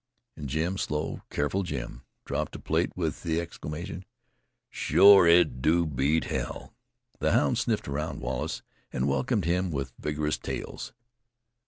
And Jim slow, careful Jim, dropped a plate with the exclamation: "Shore it do beat hell!" The hounds sniffed round Wallace, and welcomed him with vigorous tails.